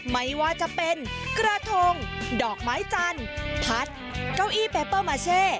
ไม่ว่าจะเป็นกระทงดอกไม้จันทร์พัดเก้าอี้เปเปอร์มาเช่